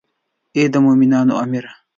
ای د مومنانو امیره.